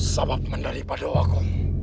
sabab menderipadu aku